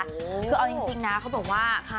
คือเอาจริงนะเขาบอกว่า